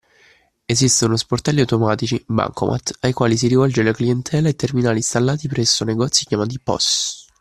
Esistono sportelli automatici (Bancomat) ai quali si rivolge la clientela e terminali installati presso negozi chiamati POS.